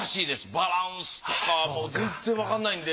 バランスとかもう全然わかんないんで。